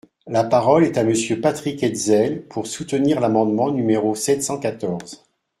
La parole est à Monsieur Patrick Hetzel, pour soutenir l’amendement numéro sept cent quatorze.